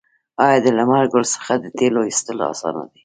آیا د لمر ګل څخه د تیلو ایستل اسانه دي؟